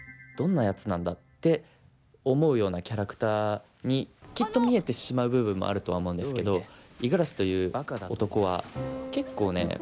どんなやつなんだ」って思うようなキャラクターにきっと見えてしまう部分もあるとは思うんですけど五十嵐という男は結構ね